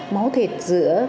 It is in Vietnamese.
máu thịt giữa